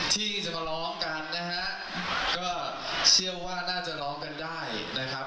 ที่จะมาร้องกันนะฮะก็เชื่อว่าน่าจะร้องกันได้นะครับ